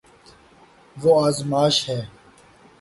وہ ازماش ہے